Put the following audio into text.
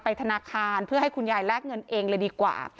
ธนาคารเพื่อให้คุณยายแลกเงินเองเลยดีกว่า